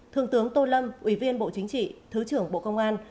thượng tướng tô lâm ủy viên bộ chính trị thứ trưởng bộ công an